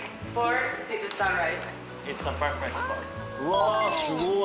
わすごい。